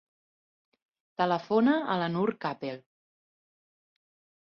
Telefona a la Noor Capel.